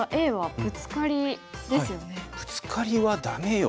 「ブツカリはダメよ」